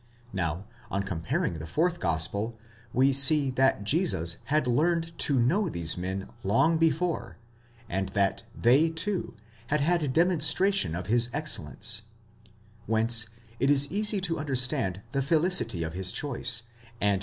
Now on comparing the fourth gospel, we see that Jesus had learned to know these men long before, and that they, too, had had demonstration of his excellence, whence it is easy to understand the felicity of his choice, and their 1 Kuindl, Comm.